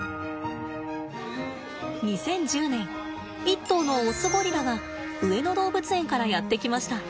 ２０１０年１頭のオスゴリラが上野動物園からやって来ました。